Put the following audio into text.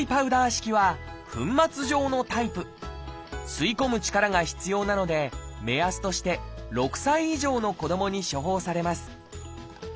吸い込む力が必要なので目安として６歳以上の子どもに処方されます